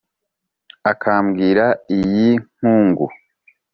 Akambwira iy’inkungu,